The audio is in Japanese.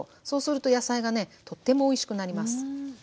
そうすると野菜がねとってもおいしくなります。